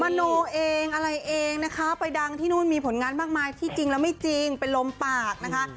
โนเองอะไรเองนะคะไปดังที่นู่นมีผลงานมากมายที่จริงแล้วไม่จริงเป็นลมปากนะคะ